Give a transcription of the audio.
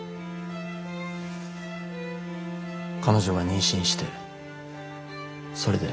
彼女が妊娠してそれで。